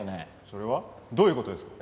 それはどういう事ですか？